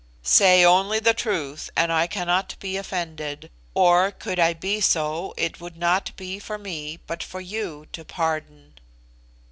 "Say only the truth, and I cannot be offended; or, could I be so, it would not be for me, but for you to pardon."